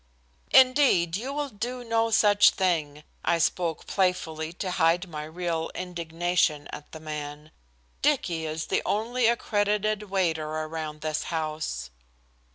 "Indeed you will do no such thing," I spoke playfully to hide my real indignation at the man. "Dicky is the only accredited waiter around this house."